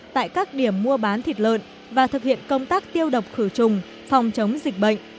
tại các điểm mua bán thịt lợn và thực hiện công tác tiêu độc khử trùng phòng chống dịch bệnh